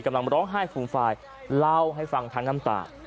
กำลังร้องไห้ฟูมฟายเล่าให้ฟังทั้งน้ำตา